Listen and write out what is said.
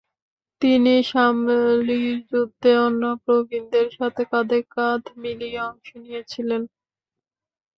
তিনি শামলির যুদ্ধে অন্য প্রবীণদের সাথে কাঁধে কাঁধ মিলিয়ে অংশ নিয়েছিলেন।